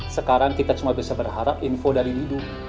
sekarang kita cuma bisa berharap info dari hidung